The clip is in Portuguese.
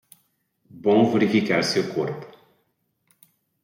Bom verificar seu corpo